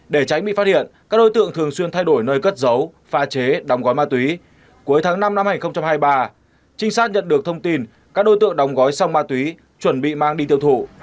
để tránh bị phát hiện các đối tượng thường xuyên thay đổi nơi cất giấu pha chế đóng gói ma túy cuối tháng năm năm hai nghìn hai mươi ba trinh sát nhận được thông tin các đối tượng đóng gói xong ma túy chuẩn bị mang đi tiêu thụ